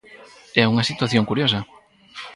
É unha situación curiosa.